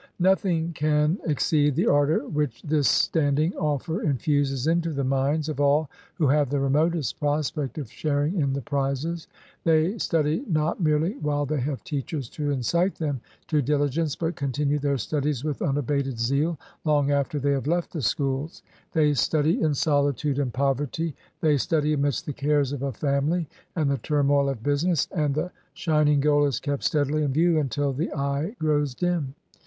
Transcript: Nothing can exceed the ardor which this standing offer infuses into the minds of all who have the remotest prospect of sharing in the prizes. They study not merely while they have teachers to incite them to dili gence, but continue their studies with unabated zeal long after they have left the schools; they study in solitude and poverty ; they study amidst the cares of a family and the turmoil of business ; and the shining goal is kept steadily in view until the eye grows dim.